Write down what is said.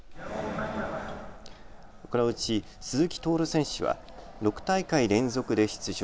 このうち鈴木徹選手は６大会連続で出場。